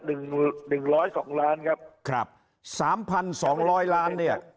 หนึ่งหนึ่งร้อยสองล้านครับครับสามพันสองร้อยล้านเนี่ย